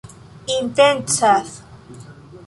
intencas